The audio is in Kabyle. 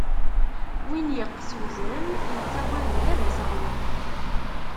Win iqqes uzrem, ittagad ula d aseɣwen.